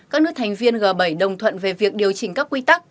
các nước thành viên g bảy đồng thuận về việc điều chỉnh các quy tắc